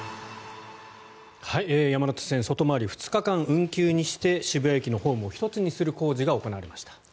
山手線外回り２日間運休にして渋谷駅のホームを１つにする工事が行われました。